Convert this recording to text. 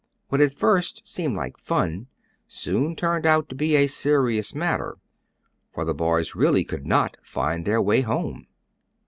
What at first seemed to be fun, soon turned out to be a serious matter; for the boys really could not find their way home.